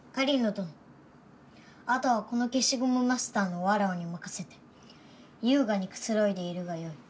どのあとはこの消しゴムマスターのわらわに任せて優雅にくつろいでいるがよい。